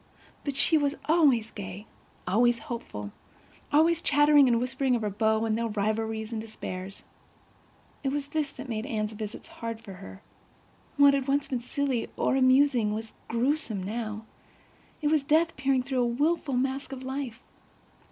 But she was always gay, always hopeful, always chattering and whispering of her beaux, and their rivalries and despairs. It was this that made Anne's visits hard for her. What had once been silly or amusing was gruesome, now; it was death peering through a wilful mask of life.